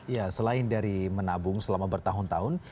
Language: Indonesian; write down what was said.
ya selain dari menabung selama bertahun tahun